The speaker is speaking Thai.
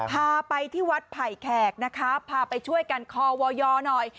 พาไปที่วัดไผ่แขกนะคะพาไปช่วยกันคอวยหน่อย